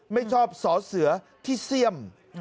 ไม่ชอบสอเสือที่เสี่ยม